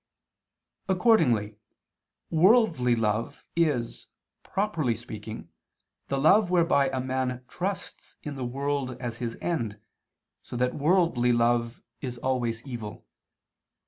Accordingly worldly love is, properly speaking, the love whereby a man trusts in the world as his end, so that worldly love is always evil.